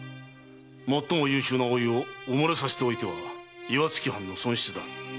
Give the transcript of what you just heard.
最も優秀な甥を埋もれさせておいては岩槻藩の損失だ。